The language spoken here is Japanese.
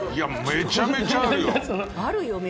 めちゃめちゃあるじゃん。